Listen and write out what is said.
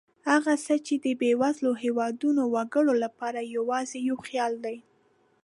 هغه څه چې د بېوزلو هېوادونو وګړو لپاره یوازې یو خیال دی.